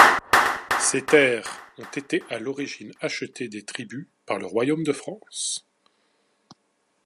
Ces terres ont été à l'origine achetée des tribus par le Royaume de France.